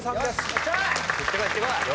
いってこいいってこい。